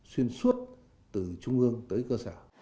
xuyên suốt từ trung ương tới cơ sở